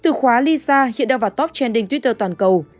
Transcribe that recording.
từ khóa lisa hiện đang vào top trending twitter toàn cầu